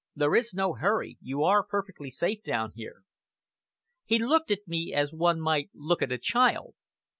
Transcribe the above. "There is no hurry. You are perfectly safe down here." He looked at me as one might look at a child.